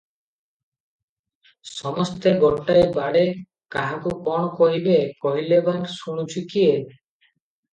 ସମସ୍ତେ ଗୋଟାଏ ବାଡ଼େ, କାହାକୁ କଣ କହିବେ, କହିଲେ ବା ଶୁଣୁଛି କିଏ?